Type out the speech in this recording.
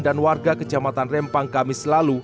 dan warga kecamatan rempang kami selalu